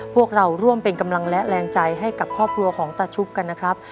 พวกเราร่วมเป็นกำลังและแรงใจให้กับครอบครัวของตาชุบกันนะครับ